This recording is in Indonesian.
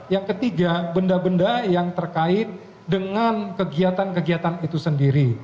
yang ketiga benda benda yang terkait dengan kegiatan kegiatan itu sendiri